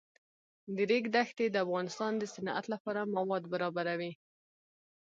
د ریګ دښتې د افغانستان د صنعت لپاره مواد برابروي.